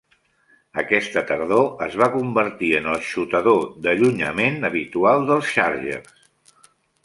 Aquesta tardor, es va convertir en el xutador d'allunyament habitual dels Chargers.